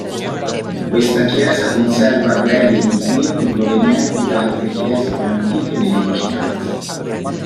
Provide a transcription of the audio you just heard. Questa chiesa conserva arredi e dipinti provenienti da altre chiese più antiche nelle vicinanze.